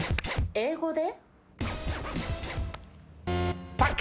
英語で？